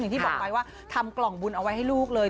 ที่บอกไปว่าทำกล่องบุญเอาไว้ให้ลูกเลย